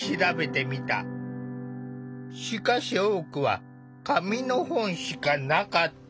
しかし多くは紙の本しかなかった。